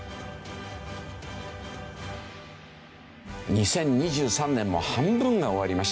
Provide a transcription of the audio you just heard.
２０２３年も半分が終わりました。